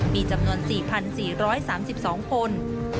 มีจำนวน๔๔๓๒คน